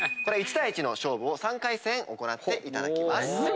１対１の勝負を３回戦行っていただきます。